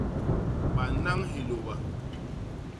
Banañ hilôba.